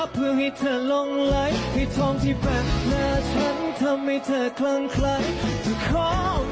เพื่อให้เธอลงไหลให้ท้องที่แปดหน้าฉันทำให้เธอคลังไขจะขอ